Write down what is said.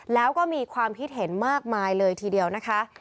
แล้วก็มีความคิดเห็นมากมายเลยทีเดียวนะคะ